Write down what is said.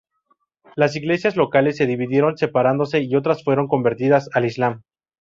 Las Iglesias locales se dividieron separándose y otras fueron convertidas al islam.